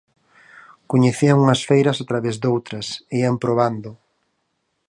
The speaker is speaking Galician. Coñecían unhas feiras a través doutras e ían probando.